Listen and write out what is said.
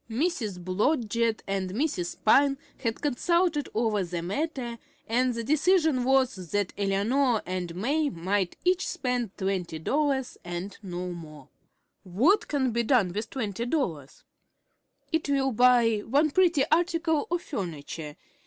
Mrs. Blodgett and Mrs. Pyne had consulted over the matter, and the decision was that Eleanor and May might each spend twenty dollars, and no more. What can be done with twenty dollars? It will buy one pretty article of furniture.